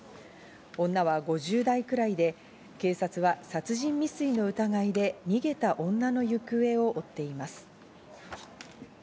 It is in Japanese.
女は５０代くらいで、警察は殺人未遂の疑いで、逃げた女の行方を追っています。